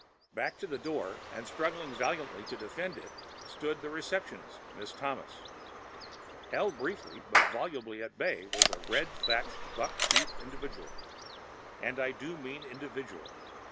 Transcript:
Back to the door and struggling valiantly to defend it stood the receptionist, Miss Thomas. Held briefly but volubly at bay was a red thatched, buck toothed individual—and I do mean individual!